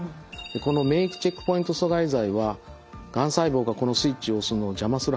この免疫チェックポイント阻害剤はがん細胞がこのスイッチを押すのを邪魔する働きがあります。